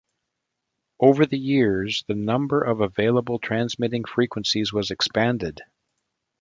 Over the years, the number of available transmitting frequencies was expanded.